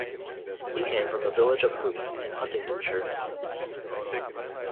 He came from the village of Houghton in Huntingdonshire.